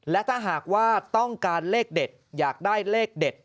และถ้าหากว่าต้องการเลขเด็ดอยากได้เลขเด็ด